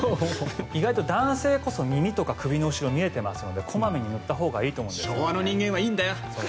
意外と男性こそ耳とか首の後ろが見えていますからこまめに塗ったほうがいいと思います。